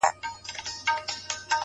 عاجزي د لویوالي ښکلی تاج دی’